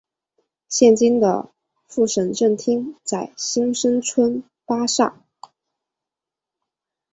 现今的副县政厅在新生村巴刹。